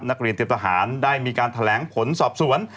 นักเรียนเตรียมทหารได้มีการแถลงผลสอบสวน